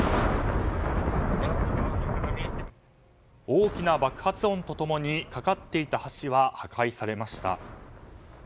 大きな爆発音と共に架かっていた橋は破壊されました。